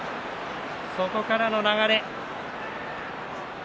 そこからの流れ。